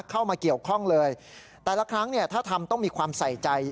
เข้ามาเกี่ยวข้องเลยแต่ละครั้งเนี่ยถ้าทำต้องมีความใส่ใจ